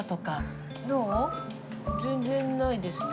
全然ないですね。